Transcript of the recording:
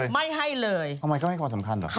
ไม่ให้เลย